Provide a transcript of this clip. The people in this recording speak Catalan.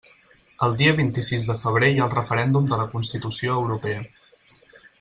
El dia vint-i-sis de febrer hi ha el referèndum de la Constitució europea.